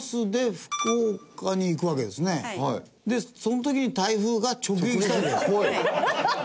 でその時に台風が直撃したわけだ。